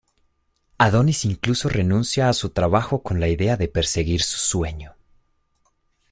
Adonis incluso renuncia a su trabajo con la idea de perseguir su sueño.